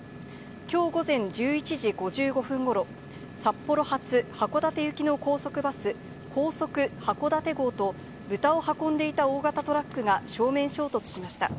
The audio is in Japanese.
きょう午前１１時５５分ごろ、札幌発函館行きの高速バス、高速はこだて号と、豚を運んでいた大型トラックが正面衝突しました。